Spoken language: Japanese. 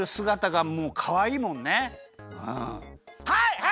はい！